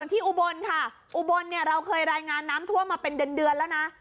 อุบลค่ะอุบลเนี่ยเราเคยรายงานน้ำท่วมมาเป็นเดือนแล้วนะ